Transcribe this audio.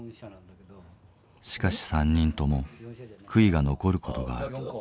しかし３人とも悔いが残る事がある。